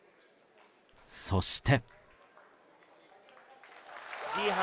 そして。